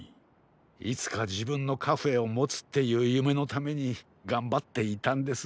いつかじぶんのカフェをもつっていうゆめのためにがんばっていたんです。